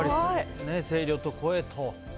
声量と声と。